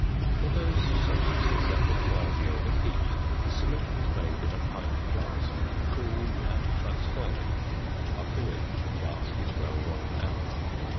For those substances that require the aid of heat, the solution is made in a pint flask, cooled, and transferred; after which the flask is well washed out.